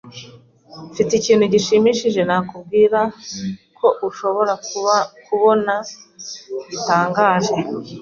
Mfite ikintu gishimishije nakubwira ko ushobora kubona gitangaje.